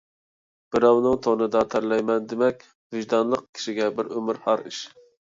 بىراۋنىڭ تونىدا تەرلەيمەن دېمەك، ۋىجدانلىق كىشىگە بىر ئۆمۈر ھار ئىش.